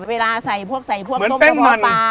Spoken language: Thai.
เวลาใส่พวกใส่พวกต้มกระบอบปลา